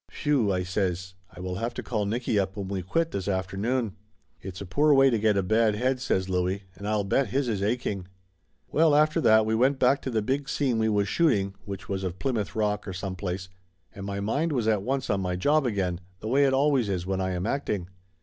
"Whew," I says. "I will have to call Nicky up when we quit this afternoon." "It's a poor way to get a bad head," says Louie; "and I'll bet his is aching !" Well, after that we went back to the big scene we was shooting, which was of Plymouth Rock or some place, and my mind was at once on my job again, the way it always is when I am acting.